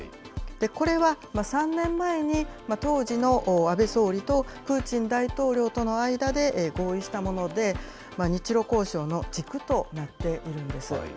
これは、３年前に当時の安倍総理とプーチン大統領との間で合意したもので、日ロ交渉の軸となっているんです。